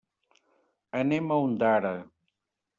Anem a Ondara.